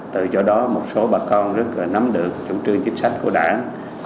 từ chỗ đó một số bà con rất là nắm được chủ trương chính sách của đảng